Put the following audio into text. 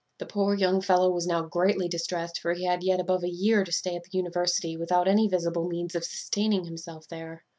"The poor young fellow was now greatly distrest; for he had yet above a year to stay at the university, without any visible means of sustaining himself there.